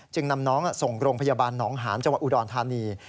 นำน้องส่งโรงพยาบาลหนองหาญจังหวัดอุดรธานี